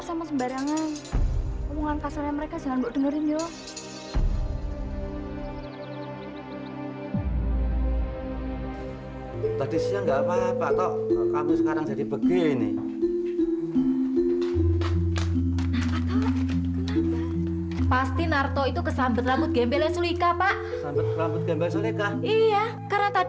sampai jumpa di video selanjutnya